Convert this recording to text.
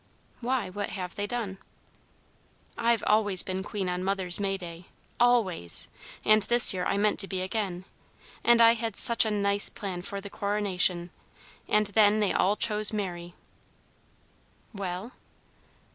"Why, what have they done?" "I've always been queen on mother's May Day, always. And this year I meant to be again. And I had such a nice plan for the coronation, and then they all chose Mary." "Well?"